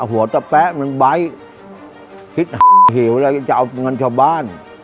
หัวตะแป๊ะมันไบ้คิดเหี่ยวเลยจะเอาเงินชาวบ้าน